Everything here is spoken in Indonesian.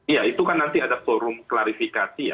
iya itu kan nanti ada forum klarifikasi